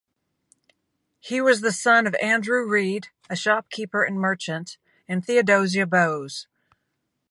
He was the son of Andrew Reed, a shopkeeper and merchant, and Theodosia Bowes.